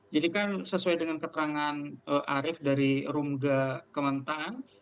jadi kan sesuai dengan keterangan arief dari rumga kementerian